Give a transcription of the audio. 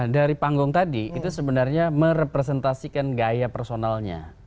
dari panggung tadi itu sebenarnya merepresentasikan gaya personalnya